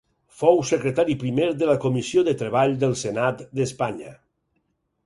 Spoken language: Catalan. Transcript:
Fou secretari primer de la comissió de treball del Senat d'Espanya.